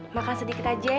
makan sedikit aja ya